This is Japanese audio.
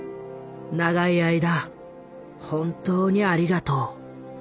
長い間本当にありがとう。